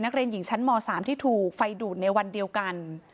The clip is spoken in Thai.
นักเรียนหญิงชั้นม๓ที่ถูกไฟดูดในวันเดียวกัน